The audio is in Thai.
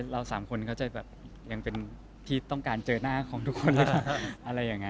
เราสามคนเขาจะเป็นที่ต้องการเจอหน้าของตุ๊คคล